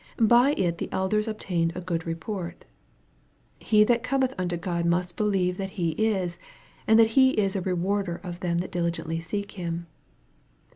" By it the elders obtained a good report." " He that cometh unto God must believe that He is, and that He is a rewarder of them that diligently seek Him."